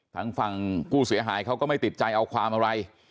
ทางฝั่งผู้เสียหายเขาก็ไม่ติดใจเอาความอะไร